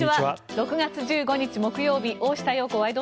６月１５日、木曜日「大下容子ワイド！